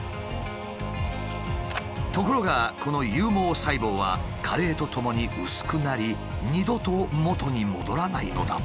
ところがこの有毛細胞は加齢とともに薄くなり二度と元に戻らないのだ。